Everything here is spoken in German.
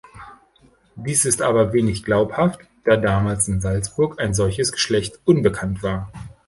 Dies ist aber wenig glaubhaft, da damals in Salzburg ein solches Geschlecht unbekannt war.